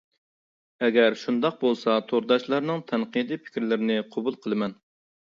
ئەگەر شۇنداق بولسا تورداشلارنىڭ تەنقىدىي پىكىرلىرىنى قوبۇل قىلىمەن.